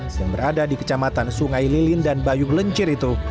yang berada di kecamatan sungai lilin dan bayu gelencir itu